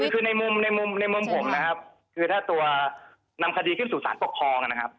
คือในมุมในมุมในมุมผมนะครับคือถ้าตัวนำคดีขึ้นสู่สารปกครองนะครับ